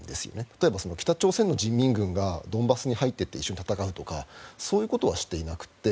例えば北朝鮮の人民軍がドンバスに入っていて一緒に戦うとかそういうことはしていなくて。